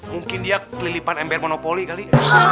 mungkin dia kelipan ember monopoly kali